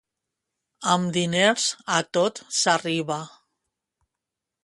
Amb diners, a tot s'arriba.